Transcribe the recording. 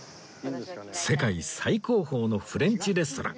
世界最高峰のフレンチレストラン